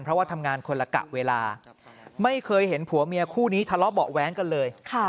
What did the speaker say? เพราะว่าทำงานคนละกะเวลาไม่เคยเห็นผัวเมียคู่นี้ทะเลาะเบาะแว้งกันเลย